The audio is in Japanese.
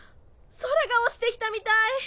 空が落ちて来たみたい！